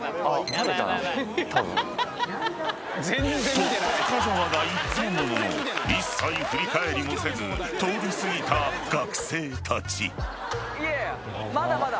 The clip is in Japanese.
［と深澤が言ったものの一切振り返りもせず通り過ぎた学生たち］